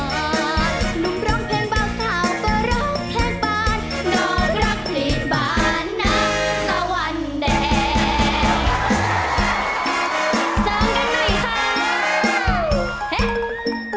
หนุ่มร้องเพลงเบาขาวก็ร้องเพลงบานนอกรักผลิตบานน้ำสวรรค์แดง